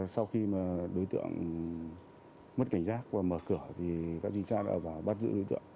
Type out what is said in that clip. sau khi mà đối tượng mất cảnh giác và mở cửa thì các chính sách đã bắt giữ đối tượng